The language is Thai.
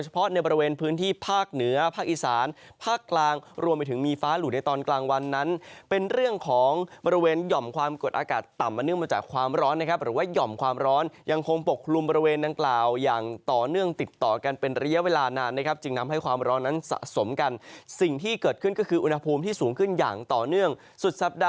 เฉพาะในบริเวณพื้นที่ภาคเหนือภาคอีสานภาคกลางรวมไปถึงมีฟ้าหลุดในตอนกลางวันนั้นเป็นเรื่องของบริเวณหย่อมความกดอากาศต่ำมาเนื่องมาจากความร้อนนะครับหรือว่าหย่อมความร้อนยังคงปกลุ่มบริเวณนั้นกล่าวอย่างต่อเนื่องติดต่อกันเป็นระยะเวลานานนะครับจึงนำให้ความร้อนนั้นสะสมกันส